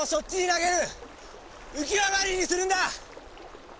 浮きわ代わりにするんだ！